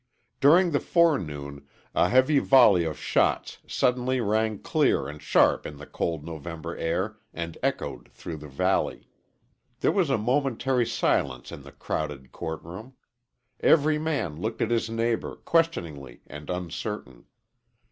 During the forenoon a heavy volley of shots suddenly rang clear and sharp in the cold November air and echoed through the valley. There was a momentary silence in the crowded court room. Every man looked at his neighbor, questioningly and uncertain.